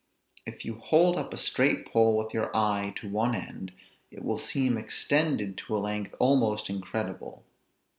If you hold up a straight pole, with your eye to one end, it will seem extended to a length almost incredible.